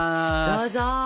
どうぞ。